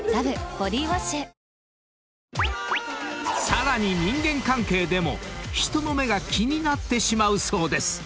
［さらに人間関係でも人の目が気になってしまうそうです］